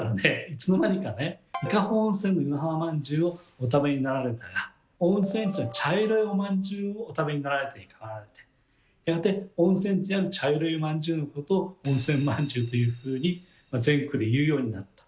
いつの間にかね「伊香保温泉の湯の花まんじゅうをお食べになられた」が「温泉地の茶色いおまんじゅうをお食べになられた」に変わってやがて温泉地にある茶色いおまんじゅうのことを「温泉まんじゅう」というふうに全国で言うようになった。